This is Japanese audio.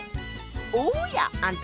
おやあんた